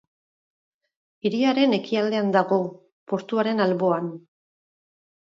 Hiriaren ekialdean dago, portuaren alboan.